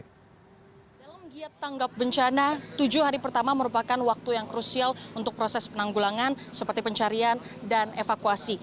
dalam giat tanggap bencana tujuh hari pertama merupakan waktu yang krusial untuk proses penanggulangan seperti pencarian dan evakuasi